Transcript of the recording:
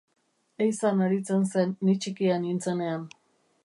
Ehizan aritzen zen ni txikia nintzenean.